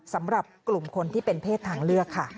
สำหรับกลุ่มคนที่เป็นเพศทางเลือกค่ะ